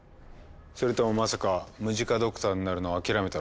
それともまさかムジカドクターになるのを諦めたのか？